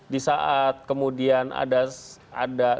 di saat kemudian ada